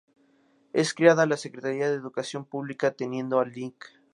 Es creada la Secretaría de Educación Pública, teniendo al Lic.